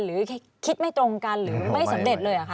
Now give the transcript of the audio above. หรือคิดไม่ตรงกันหรือไม่สำเร็จเลยเหรอคะ